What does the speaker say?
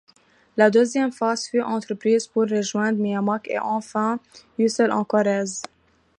La deuxième phase fut entreprise pour rejoindre Meymac et enfin Ussel en Corrèze.